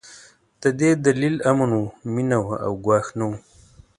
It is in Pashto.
د دې دلیل امن و، مينه وه او ګواښ نه و.